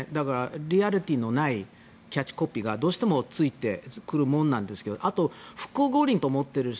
リアリティーのないキャッチコピーがどうしてもついてくるもんなんですがあと、復興五輪と思っている人